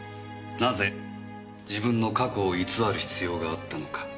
なぜ自分の過去を偽る必要があったのか。